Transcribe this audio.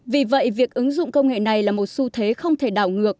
vì vậy việc ứng dụng công nghệ này là một xu thế không thể đảo ngược